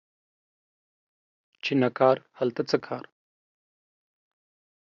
چی نه کار، هلته څه کار